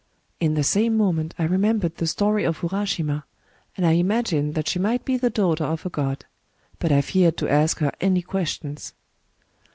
...' In the same moment I remembered the story of Urashima; and I im agined that she might be the daughter of a god; but I feared to ask her any questions.